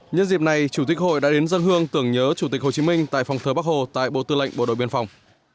nhân dịp này chủ tịch hội đã đến dân hương tưởng nhớ chủ tịch hồ chí minh tại phòng thờ bắc hồ tại bộ tư lệnh bộ đội biên phòng